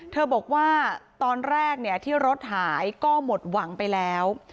เธอบอกว่าตอนแรกที่รถหายก็หมดหวังไปแล้ว